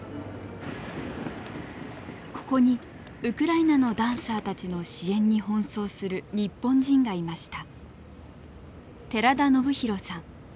ここにウクライナのダンサーたちの支援に奔走する日本人がいました。